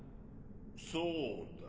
そうだ。